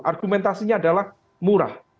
argumentasinya adalah murah